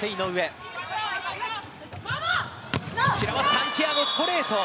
サンティアゴのストレート。